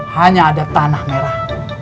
hanya ada tanah merah